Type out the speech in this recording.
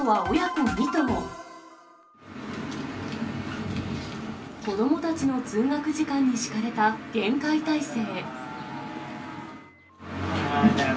子どもたちの通学時間に敷かれた厳戒態勢。